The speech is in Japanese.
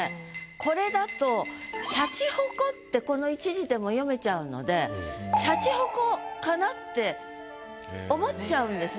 これだと「しゃちほこ」ってこの一字でも読めちゃうのでしゃちほこかなって思っちゃうんですね